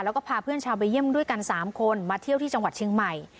แล้วก็พาเพื่อนชาวไปเยี่ยมด้วยกัน๓คนมาเที่ยวที่จังหวัดเชียงใหม่